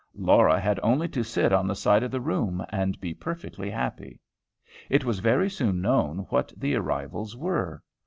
Laura had only to sit on the side of the room and be perfectly happy. It was very soon known what the arrivals were.